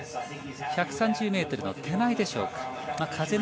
１３０ｍの手前でしょうか